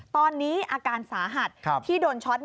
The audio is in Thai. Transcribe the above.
ตอนนี้อาการสาหัสที่โดนช็อต